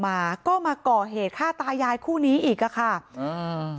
ไม่อยากให้ต้องมีการศูนย์เสียกับผมอีก